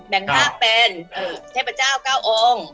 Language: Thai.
แบ่งภาคเป็นเทพเจ้าเก้าองค์